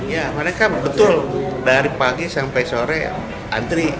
ya mereka betul dari pagi sampai sore antri